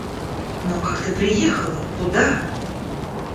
Но как ты приехала, куда?